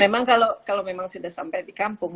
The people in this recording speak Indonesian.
terima kasih sudah sampai di kampung